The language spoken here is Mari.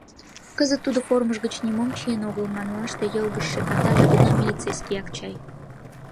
Кызыт тудо формыж гыч нимом чиен огыл манмаште, йылгыжше катаже гына милицейскияк чай.